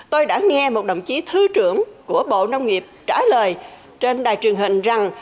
tôi đã nghe một đồng chí thứ trưởng của bộ nông nghiệp trả lời trên đài truyền hình rằng